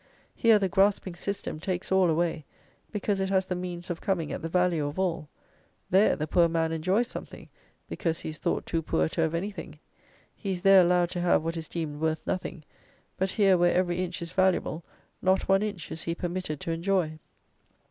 Here the grasping system takes all away, because it has the means of coming at the value of all: there, the poor man enjoys something, because he is thought too poor to have anything: he is there allowed to have what is deemed worth nothing; but here, where every inch is valuable, not one inch is he permitted to enjoy.